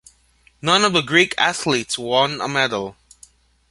None of the Greek athletes won a medal.